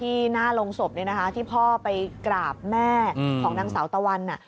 ที่หน้าลงศพนี่นะคะที่พ่อไปกราบแม่ของนางสาวตะวัน